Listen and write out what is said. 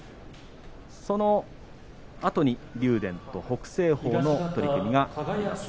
そのあとに竜電と北青鵬の取組があります。